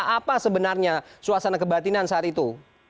apa sebenarnya suasana kebatinan saat itu